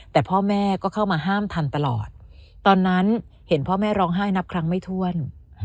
แต่พ่อแม่ก็เข้ามาห้ามทันตลอดตอนนั้นเห็นพ่อแม่ร้องไห้นับครั้งไม่ถ้วน